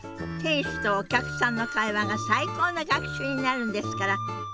店主とお客さんの会話が最高の学習になるんですから。